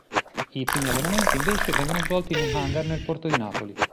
I primi allenamenti, invece, vengono svolti in un hangar nel porto di Napoli.